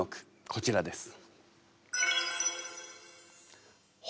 こちらです。